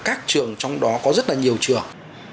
các trường trong đó có rất là nhiều trường